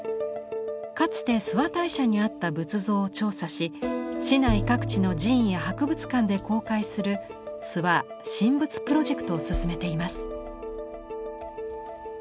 かつて諏訪大社にあった仏像を調査し市内各地の寺院や博物館で公開する「諏訪神仏プロジェクト」を進めています。